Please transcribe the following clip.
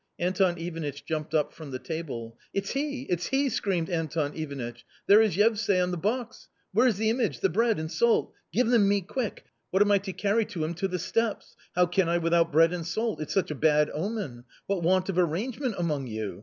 Anton Ivanitch jumped up from the table. " It's he ! it's he !" screamed Anton Ivanitch, " there is Yevsay on the box ! Where is the image, the bread and salt ? Give them me quick ! What am I to carry to him to the steps? How can I without bread and salt ? It's such a bad omen. What want of arrangement among you